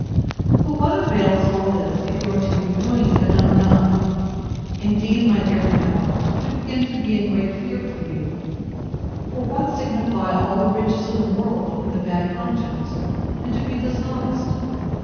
But what avails all this, if you are to be ruined and undone!—Indeed, my dear Pamela, we begin to be in great fear for you; for what signify all the riches in the world, with a bad conscience, and to be dishonest!